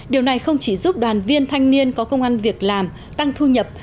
điều này không chỉ giúp đoàn viên thanh niên có công an việc làm tăng thu nhập